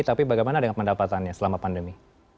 tapi bagaimana dengan pendapatannya selama pandemi